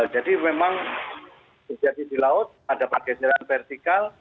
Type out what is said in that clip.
jadi memang terjadi di laut ada pergeseran vertikal